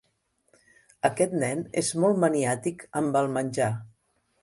Aquest nen és molt maniàtic amb el menjar.